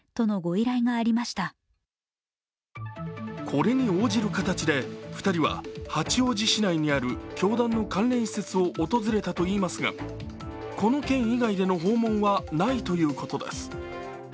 これに応じる形で２人は八王子市内にある教団の関連施設を訪れたといいますが、この件以外での訪問はないということです。